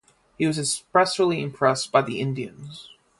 He was especially impressed by the Indians.